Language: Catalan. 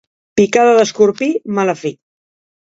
Picada d'escorpí, mala fi.